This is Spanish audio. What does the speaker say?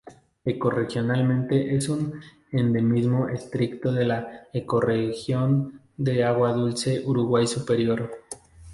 Ecorregionalmente es un endemismo estricto de la ecorregión de agua dulce Uruguay superior.